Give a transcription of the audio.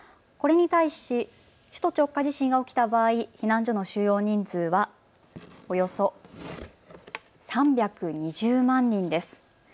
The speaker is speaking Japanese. これに対し首都直下地震が起きた場合、避難所の収容人数はおよそ３２０万人です。